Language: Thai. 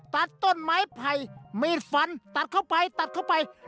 ตัดต้นไม้ไผ่มีดฟันตัดเข้าไป